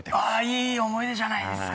いい思い出じゃないですか。